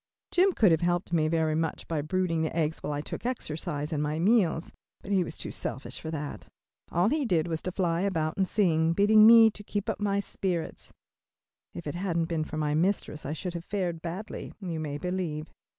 Jim could have helped me very much by brooding the eggs while I took exercise and my meals, but he was too selfish for that. All he did was to fly about and sing, bidding me to keep my spirits up. If it hadn't been for my mistress I should have fared badly, you may believe.